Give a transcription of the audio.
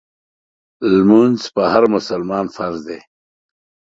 مونځ په هر مسلمان فرض دی